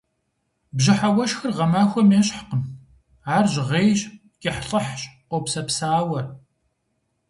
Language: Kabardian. Бжьыхьэ уэшхыр гъэмахуэм ещхькъым, ар жьгъейщ, кӏыхьлӏыхьщ, къопсэпсауэ.